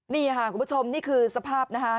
นี่ค่ะคุณผู้ชมนี่คือสภาพนะคะ